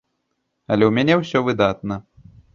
Але ў мяне ўсё выдатна.